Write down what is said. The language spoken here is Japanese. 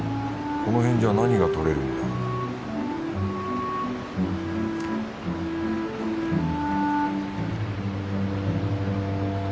この辺じゃ何がとれるんだろう